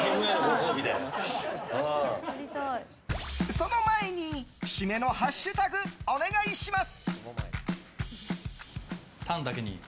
その前に、締めのハッシュタグお願いします。